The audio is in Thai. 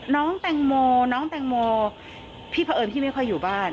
น้องแตงโมน้องแตงโมพี่เผอิญที่ไม่ค่อยอยู่บ้าน